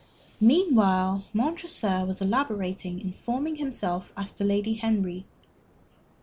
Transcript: Meanwhile, Montresor was elaborately informing himself as to Lady Henry.